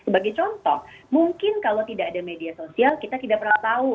sebagai contoh mungkin kalau tidak ada media sosial kita tidak pernah tahu